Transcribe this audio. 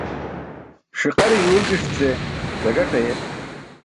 Ṣiqare yuwlgiṣ ce gazaṭ aye.